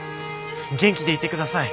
元気でいて下さい。